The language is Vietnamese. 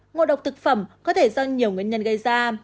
ngộ độc thực phẩm có thể do nhiều nguyên nhân gây ra